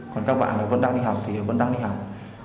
còn các bạn vẫn đang đi học